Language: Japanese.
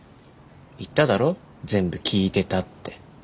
言っただろ全部聞いてたって。